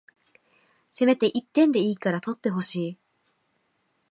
せめて一点でいいから取ってほしい